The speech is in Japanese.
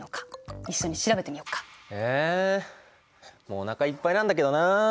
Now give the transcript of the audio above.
もうおなかいっぱいなんだけどな。